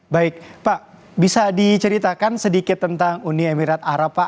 baik pak bisa diceritakan sedikit tentang uni emirat arab pak